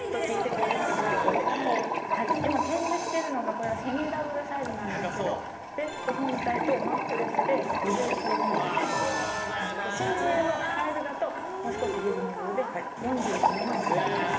お値段をはい今展示してるのがこれはセミダブルサイズなんですけどベッド本体とマットレスで５９万４０００円シングルのサイズだともう少しリーズナブルで４７万３０００円です